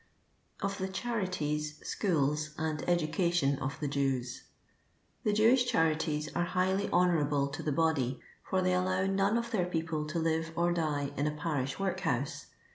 Of the CuABiTirs, Schools, akd EnucATieif OP THE Jews. The Jewish charities are highly honourable to the body, for they allow none of their people to live or'dic in a parish workhouse.